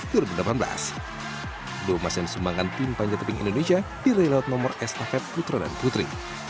dua emas yang disumbangkan tim panjatabing indonesia direlot nomor estafet putra dan putri